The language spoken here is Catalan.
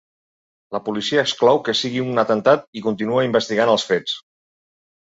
La policia exclou que sigui un atemptat i continua investigant els fets.